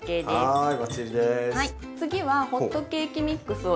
はい。